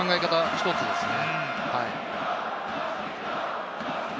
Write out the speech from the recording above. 一つですね。